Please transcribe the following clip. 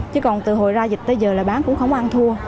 chứ còn từ hồi ra dịch tới giờ là bán cũng không ăn thua